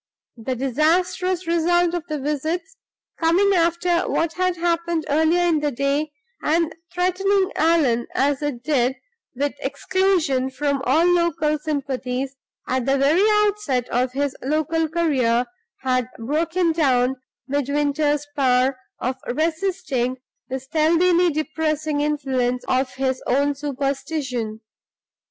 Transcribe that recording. The disastrous result of the visits coming after what had happened earlier in the day; and threatening Allan, as it did, with exclusion from all local sympathies at the very outset of his local career had broken down Midwinter's power of resisting the stealthily depressing influence of his own superstition.